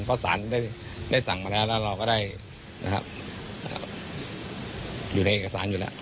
เพราะสารได้สั่งมาแล้วแล้วเราก็ได้อยู่ในเอกสารอยู่แล้ว